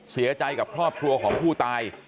เสียใจกับครอบครัวของผู้ตาย